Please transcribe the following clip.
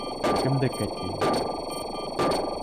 Кемдеке, тием?